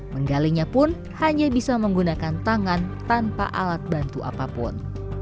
menggalinya pun hanya bisa menggunakan tangan tanpa alat bantu apapun